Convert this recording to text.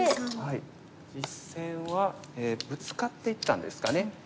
実戦はブツカっていったんですかね。